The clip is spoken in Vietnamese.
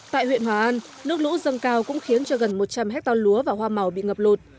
tại huyện hòa an nước lũ dâng cao cũng khiến cho gần một trăm linh hectare lúa và hoa màu bị ngập lụt